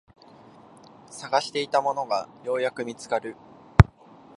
探していたものがようやく見つかる